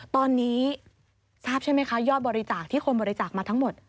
ตอนนี้ทราบใช่ไหมคะยอดบริจาคที่คนบริจาคมาทั้งหมด